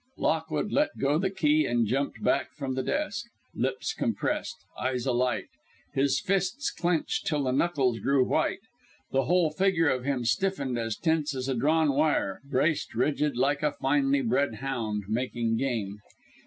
"_ Lockwood let go the key and jumped back from the desk, lips compressed, eyes alight, his fists clenched till the knuckles grew white. The whole figure of him stiffened as tense as drawn wire, braced rigid like a finely bred hound "making game."